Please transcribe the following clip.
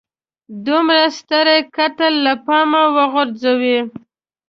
دومره ستر قتل له پامه وغورځوي.